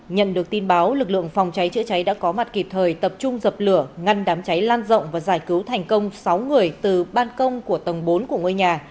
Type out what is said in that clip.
nhận được tin báo lực lượng phòng cháy chữa cháy đã có mặt kịp thời tập trung dập lửa ngăn đám cháy lan rộng và giải cứu thành công sáu người từ ban công của tầng bốn của ngôi nhà